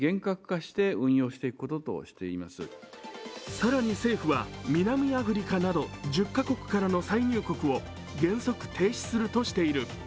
更に政府は、南アフリカなど１０カ国からの再入国を原則停止するとしている。